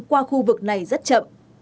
qua khu vực này rất chậm